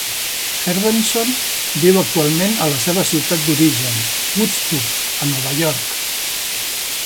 Henderson viu actualment a la seva ciutat d'origen, Woodstock, a Nova York.